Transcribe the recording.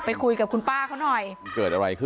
คุยกับคุณป้าเขาหน่อยมันเกิดอะไรขึ้น